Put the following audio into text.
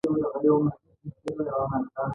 ستوري په اسمان کې ځلیږي